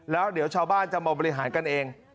แล้วเดี๋ยวชาวบ้านจะมาบริหารกันเอง